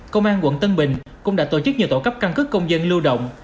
công an quận tân bình cũng đã tổ chức nhiều tổ cấp căn cứ công dân lưu động